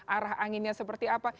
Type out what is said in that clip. arah anginnya seperti apa